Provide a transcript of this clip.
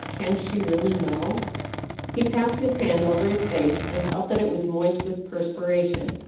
... Can she really know ?" He passed his hand over his face^ and felt that it was moist with perspiration.